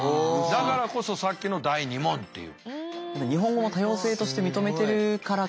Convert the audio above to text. だからこそさっきの第２問っていう。